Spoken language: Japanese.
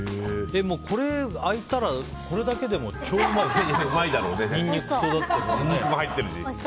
開いたらこれだけでも超うまいですよ。